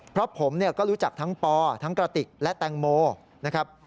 เพราะผมเนี่ยก็รู้จักทั้งปอทั้งกระติกและแตงโมนะครับ